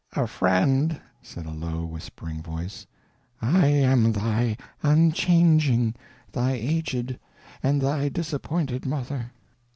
"A friend," said a low, whispering voice. "I am thy unchanging, thy aged, and thy disappointed mother.